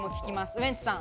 ウエンツさん。